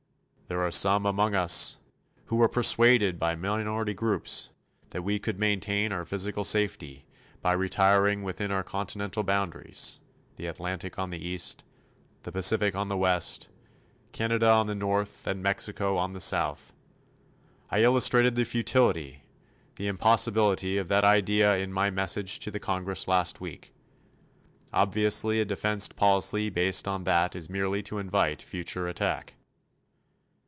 There are some among us who were persuaded by minority groups that we could maintain our physical safety by retiring within our continental boundaries the Atlantic on the east, the Pacific on the west, Canada on the north and Mexico on the south. I illustrated the futility the impossibility of that idea in my message to the Congress last week. Obviously, a defense policy based on that is merely to invite future attack.